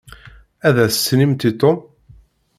Ad as-tinimt i Tom?